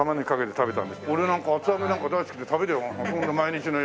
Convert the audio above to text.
俺なんか厚揚げなんか大好きで食べるよ